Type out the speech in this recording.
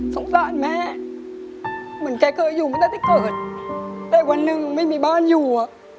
สงสารแม่เหมือนแกเคยอยู่ไม่น่าจะเกิดแต่วันหนึ่งไม่มีบ้านอยู่อ่ะ